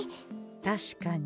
確かに。